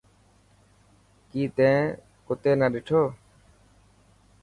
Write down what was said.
ڪي تين ڪتي نا ڏٺو.